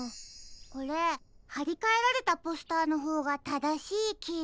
これはりかえられたポスターのほうがただしいきが。